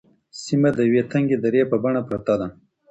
سیمه د یوې تنگې درې په بڼه پرته ده.